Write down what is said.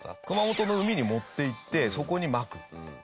熊本の海に持っていってそこにまく。